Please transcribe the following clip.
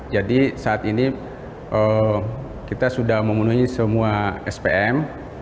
jadi saat ini kita sudah memenuhi semua spm